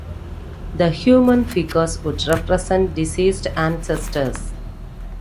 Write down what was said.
The human figures would represent deceased ancestors.